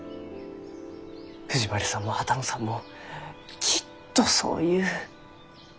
藤丸さんも波多野さんもきっとそう言う。